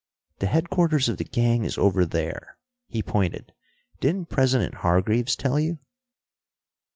"The headquarters of the gang is over there." He pointed. "Didn't President Hargreaves tell you?"